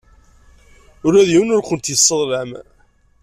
Ula d yiwen ur kent-yesseḍlam.